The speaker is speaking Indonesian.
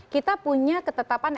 kita punya ketetapan